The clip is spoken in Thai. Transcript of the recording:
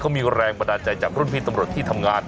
เขามีแรงบันดาลใจจากรุ่นพี่ตำรวจที่ทำงาน